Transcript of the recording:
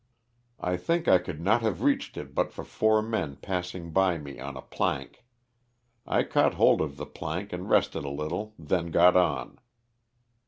I think I could not have reached it but for four men passing by me on a plank. I caught hold of the plank and rested a little, then got on.